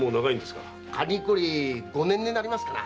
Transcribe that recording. かれこれ五年になりますかな。